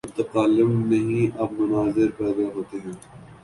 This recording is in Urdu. متکلم نہیں، اب مناظر پیدا ہوتے ہیں۔